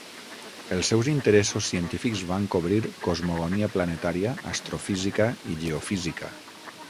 Els seus interessos científics van cobrir cosmogonia planetària, astrofísica i geofísica.